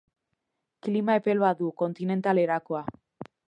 Klima epel bat du, kontinental erakoa.